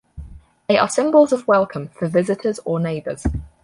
They are symbols of welcome for visitors or neighbors.